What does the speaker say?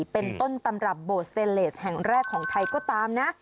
เป็นต้นตำรับโบสเตเลสแห่งแรกของไทยก็ตามนะ